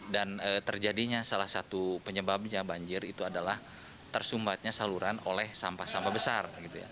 dan terjadinya salah satu penyebabnya banjir itu adalah tersumbatnya saluran oleh sampah sampah besar